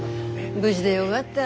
無事でよがった。